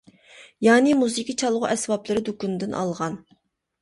«يانى مۇزىكا چالغۇ ئەسۋابلىرى» دۇكىنىدىن ئالغان.